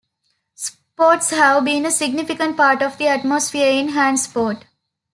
Sports have been a significant part of the atmosphere in Hantsport.